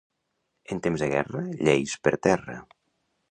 En temps de guerra, lleis per terra.